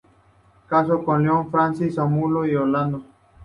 Casó con Leonor Francisca Zamudio y Olano.